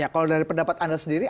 kalau dari pendapat anda sendiri